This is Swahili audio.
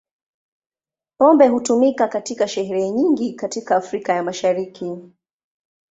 Pombe hutumika katika sherehe nyingi katika Afrika ya Mashariki.